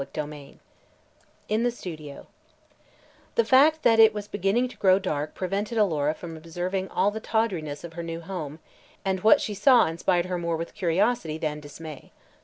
CHAPTER V IN THE STUDIO The fact that it was beginning to grow dark prevented Alora from observing all the tawdriness of her new home and what she saw inspired her more with curiosity than dismay.